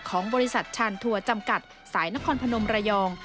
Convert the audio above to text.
ของบริษัทชานทัวร์จำกัดสายนครพนมระยอง